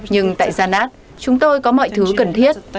nhưng tại zanat chúng tôi có mọi thứ cần thiết